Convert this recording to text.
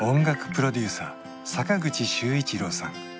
プロデューサー坂口修一郎さん